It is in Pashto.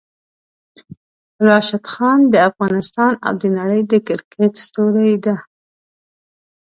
راشد خان د افغانستان او د نړۍ د کرکټ ستوری ده!